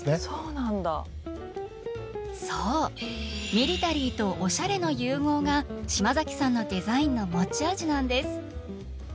ミリタリーとオシャレの融合が嶋さんのデザインの持ち味なんです。